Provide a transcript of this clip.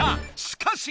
しかし！